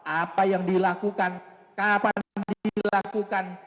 apa yang dilakukan kapan dilakukan